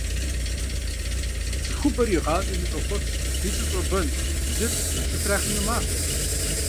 ЦӀыхубэр игъащӀэми щӀохъуэпс икӀи щӀобэн бжьыр щытрахыну махуэм.